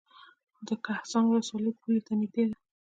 د کهسان ولسوالۍ پولې ته نږدې ده